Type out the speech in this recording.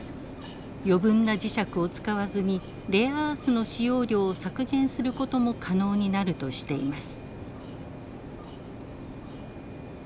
余分な磁石を使わずにレアアースの使用量を削減することも可能になるとしています。